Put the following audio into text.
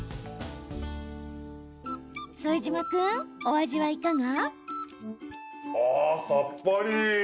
副島君、お味はいかが？